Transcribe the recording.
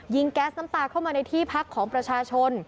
แก๊สน้ำตาเข้ามาในที่พักของประชาชน